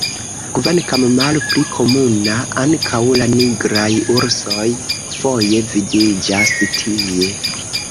Kvankam malpli komuna, ankaŭ la nigraj ursoj foje vidiĝas tie.